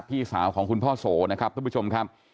พี่สาวของคุณพ่อโสนะครับท่านผู้ชมครับ